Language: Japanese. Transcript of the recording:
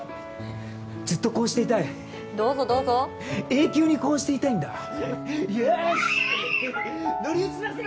ずっとこうしていたいどうぞどうぞ永久にこうしていたいんだよしキャーッ乗り移らせろ！